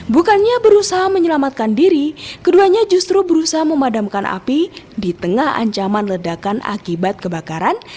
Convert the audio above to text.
bukannya berusaha menyelamatkan diri keduanya justru berusaha memadamkan api di tengah ancaman ledakan akibat kebakaran